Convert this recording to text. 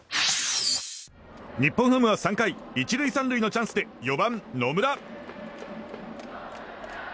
日本ハムは３回１塁３塁のチャンスで４番、野村。